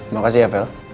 makasih ya fel